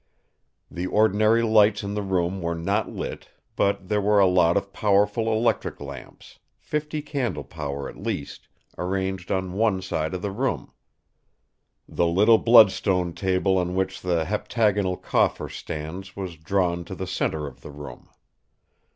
The ordinary lights in the room were not lit, but there were a lot of powerful electric lamps, fifty candle power at least, arranged on one side of the room. The little bloodstone table on which the heptagonal coffer stands was drawn to the centre of the room.